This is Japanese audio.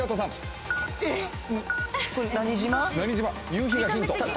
夕日がヒント。